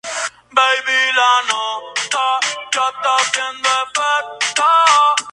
A iniciativa de los hermanos Estrada esta demostración folclórica fue estrenada a nivel mundial.